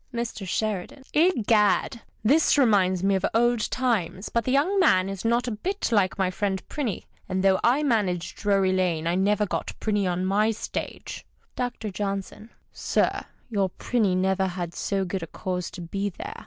Mr. Sheridan. — Egad ! This reminds me of old times, but the young man is not a bit like my friend Prinny. And though / managed Drury Lane, I never got Prinny on my stage. Dr. J. — Sir, your Prinny never had so good a cause to be there.